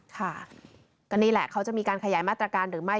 ค่ะก็นี่แหละเขาจะมีการขยายมาตรการหรือไม่